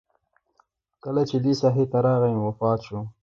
کله چې دې ساحې ته راغی نو وفات شو.